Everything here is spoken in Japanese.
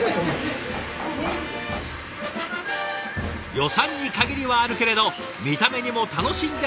予算に限りはあるけれど見た目にも楽しんでほしいと